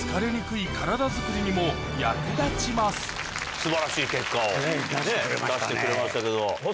素晴らしい結果を出してくれましたけど。